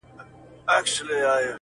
o ګلکده وجود دي تاته مبارک وي,